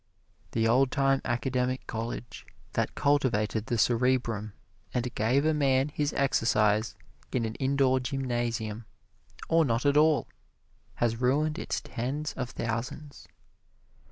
The old time academic college, that cultivated the cerebrum and gave a man his exercise in an indoor gymnasium, or not at all, has ruined its tens of thousands.